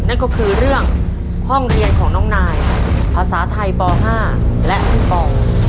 นั่นก็คือเรื่องห้องเรียนของน้องนายภาษาไทยป๕และคุณปอ